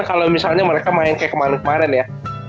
kalau misalnya mereka main kayak kemarin kemarin ya